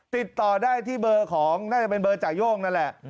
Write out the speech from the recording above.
ติดต่อได้ที่เบอร์ของน่าจะเป็นเบอร์จ่าย่งนั่นแหละ